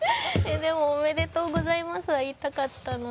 でもおめでとうございますは言いたかったので。